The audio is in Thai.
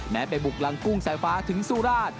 ไปบุกรังกุ้งสายฟ้าถึงสุราช